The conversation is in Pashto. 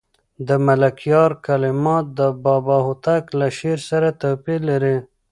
د ملکیار کلمات د بابا هوتک له شعر سره توپیر لري.